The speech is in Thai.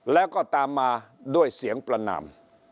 แล้วก็ตามมาด้วยเสียงประนาม